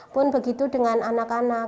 pun begitu dengan anak anak